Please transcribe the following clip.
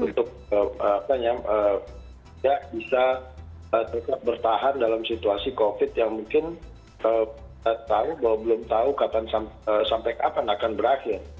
untuk tidak bisa tetap bertahan dalam situasi covid yang mungkin tahu bahwa belum tahu kapan sampai kapan akan berakhir